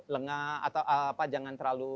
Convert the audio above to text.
lengah atau jangan terlalu